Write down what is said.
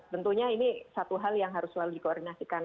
tentunya ini satu hal yang harus selalu dikoordinasikan